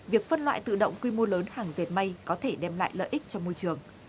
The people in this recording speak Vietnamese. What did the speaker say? việc phân loại tự động quy mô lớn hàng dệt may có thể đem lại lợi ích cho môi trường